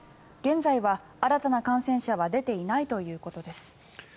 現在は新たな感染者は出ていないということです。